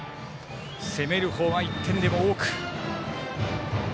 攻める方は１点でも多く。